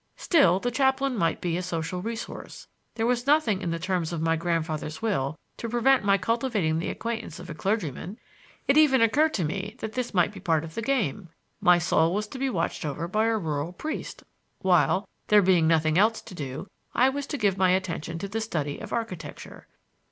Still, the chaplain might be a social resource. There was nothing in the terms of my grandfather's will to prevent my cultivating the acquaintance of a clergyman. It even occurred to me that this might be a part of the game: my soul was to be watched over by a rural priest, while, there being nothing else to do, I was to give my attention to the study of architecture.